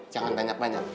jangan tanya banyak